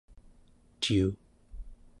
ciu